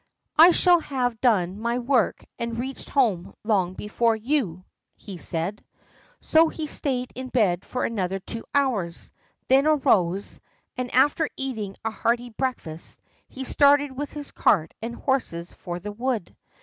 "I shall have done my work and reached home long before you," he said. So he stayed in bed for another two hours, then arose, and after eating a hearty breakfast he started with his cart and horses for the wood.